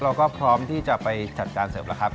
เราก็พร้อมที่จะไปจัดการเสริมแล้วครับ